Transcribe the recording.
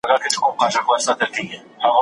زدهکوونکي د ښوونځي له ښوونکو څخه خوښ دي.